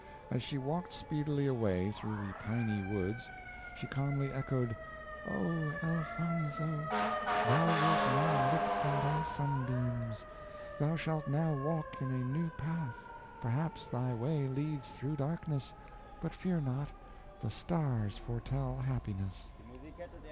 As she walked speedily away through the piny woods, she calmly echoed: "O! Elfonzo, thou wilt now look from thy sunbeams. Thou shalt now walk in a new path perhaps thy way leads through darkness; but fear not, the stars foretell happiness."